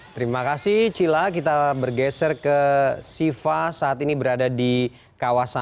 terima kasih cila kita bergeser ke siva saat ini berada di kawasan